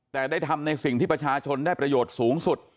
แต่ได้ทำในสิ่งที่ประชาชนได้ประโยชน์สูงสุด